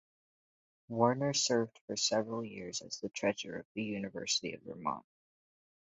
Warner served for several years as the treasurer of the University of Vermont.